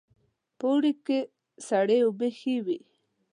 په اوړي کې سړې اوبه ښې وي